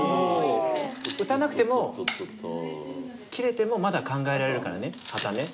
打たなくても切れてもまだ考えられるからねはーたんね